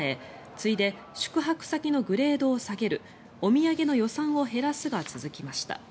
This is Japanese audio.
次いで宿泊先のグレードを下げるお土産の予算を減らすが続きました。